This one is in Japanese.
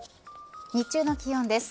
日中の気温です。